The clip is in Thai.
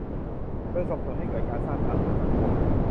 โดยส่งเสริมให้เกิดการสร้างพลังทางสังคม